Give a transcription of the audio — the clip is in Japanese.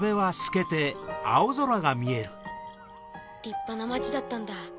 立派な町だったんだ。